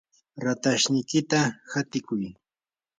ratashniykita hatiykuy.